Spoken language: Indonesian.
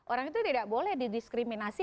orang itu tidak boleh didiskriminasi